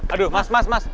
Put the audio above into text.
aduh mas mas mas